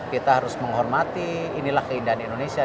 kita harus menghormati inilah keindahan indonesia